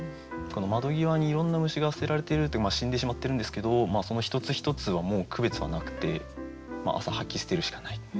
窓際にいろんな虫が捨てられているっていう死んでしまってるんですけどその一つ一つはもう区別はなくて朝掃き捨てるしかない。